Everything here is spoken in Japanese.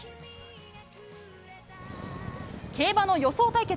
競馬の予想対決。